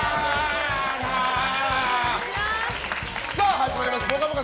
始まりました「ぽかぽか」